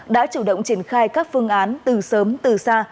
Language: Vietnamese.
đã chủ động triển khai các phương án từ sớm từ xa